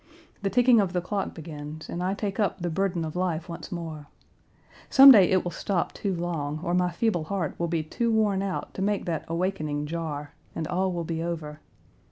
The ticking of the clock begins, and I take up the burden of life once more. Some day it will stop too long, or my feeble heart will be too worn out to make that awakening jar, and all will be over.